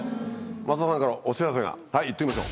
増田さんからお知らせがはい行っときましょう。